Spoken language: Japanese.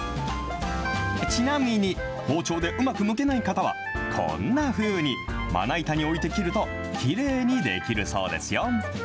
ちなみに、包丁でうまくむけない方は、こんなふうに、まな板に置いて切ると、きれいにできるそうですよ。